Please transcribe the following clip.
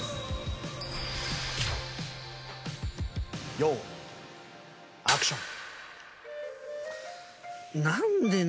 用意アクション。